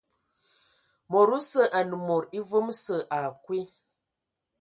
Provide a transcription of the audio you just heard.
Mod osə anə mod evom sə akwi.